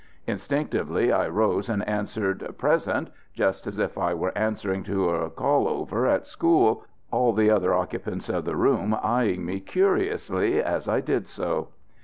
Instinctively I rose and answered "Present," just as if I were answering to a call over at school, all the other occupants of the room eyeing me curiously as I did so.